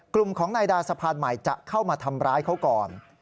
กลุ่มของนายดาสะพานใหม่จะเข้ามาทำร้ายเขาก่อน